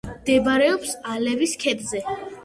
მდებარეობს ალევის ქედზე.